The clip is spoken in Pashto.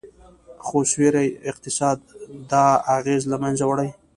خو سیوري اقتصاد دا اغیز له منځه وړي